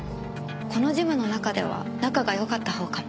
このジムの中では仲が良かったほうかも。